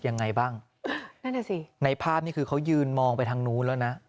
ในภาพนี้ก็จะมองไปทางนู้นก็แล้วนะ